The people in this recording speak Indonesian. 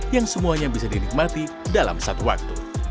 yang semuanya bisa dinikmati dalam satu waktu